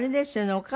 お母様